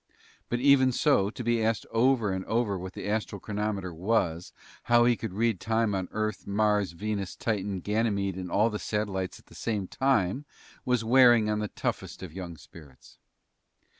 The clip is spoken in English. But even so, to be asked over and over what the astral chronometer was, how he could read time on Earth, Mars, Venus, Titan, Ganymede, and all the satellites at the same time was wearing on the toughest of young spirits.